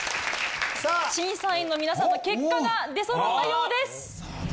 審査員の皆さんの結果が出そろったようです。